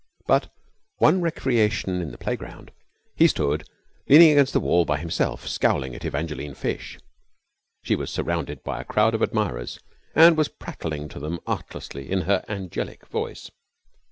But one recreation in the playground he stood leaning against the wall by himself, scowling at Evangeline Fish. She was surrounded by a crowd of admirers, and was prattling to them artlessly in her angelic voice.